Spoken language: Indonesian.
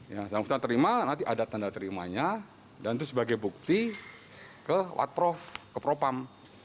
yang bersangkutan terima nanti ada tanda terimanya dan itu sebagai bukti ke watprof ke propam